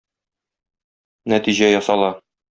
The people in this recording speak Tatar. Нәтиҗә ясала.